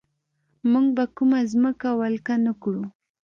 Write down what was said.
موږ به کومه ځمکه ولکه نه کړو.